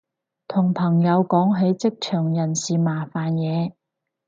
同朋友講起職場人事麻煩嘢